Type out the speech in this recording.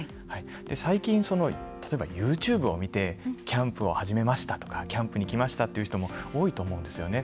最近、例えばＹｏｕＴｕｂｅを見てキャンプを始めましたとかキャンプに行きましたという人も多いと思うんですよね。